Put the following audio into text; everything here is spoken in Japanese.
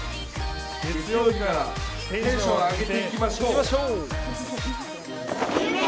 月曜日からテンション上げていきましょう！